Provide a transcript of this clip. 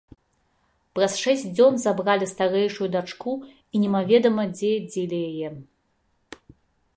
Праз шэсць дзён забралі старэйшую дачку і немаведама дзе дзелі яе.